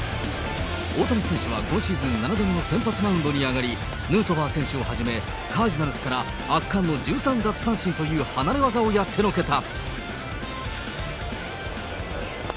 大谷選手は今シーズン７度目の先発マウンドに上がり、ヌートバー選手をはじめ、カージナルスから圧巻の１３奪三振という離れわざをやってのけた。